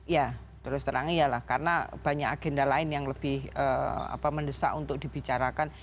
ya terus terang iyalah karena banyak agenda lain yang lebih mendesak untuk dibicarakan